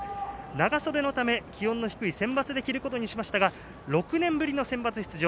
長袖のため気温の低いセンバツで着ることになりましたが６年ぶりのセンバツ出場。